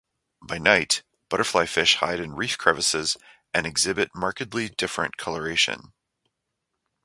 By night, butterflyfish hide in reef crevices and exhibit markedly different coloration.